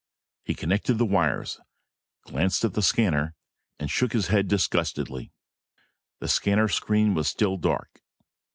He connected the wires, glanced at the scanner, and shook his head disgustedly. The scanner screen was still dark.